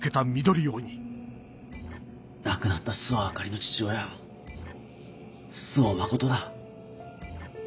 亡くなった周防あかりの父親周防誠だ。